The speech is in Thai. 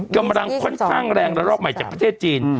กำลังค่อนข้างแรงระลอกใหม่จากประเทศจีน